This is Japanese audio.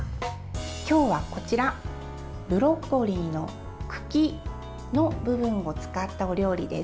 今日はこちらブロッコリーの茎の部分を使ったお料理です。